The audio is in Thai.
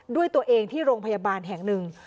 ด้วยตัวเองที่โรงพยาบาลแห่งหนึ่ง